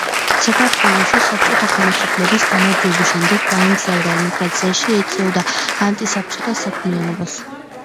საქართველოში საბჭოთა ხელისუფლების გამარჯვების შემდეგ გაემგზავრა ემიგრაციაში, ეწეოდა ანტისაბჭოთა საქმიანობას.